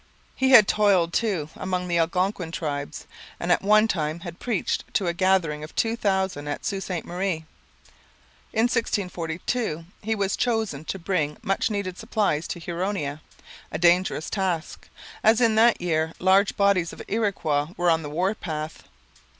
He had toiled, too, among the Algonquin tribes, and at one time had preached to a gathering of two thousand at Sault Ste Marie. In 1642 he was chosen to bring much needed supplies to Huronia a dangerous task, as in that year large bodies of Iroquois were on the war path.